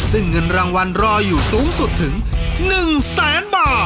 ซึ่งเงินรางวัลรออยู่สูงสุดถึง๑แสนบาท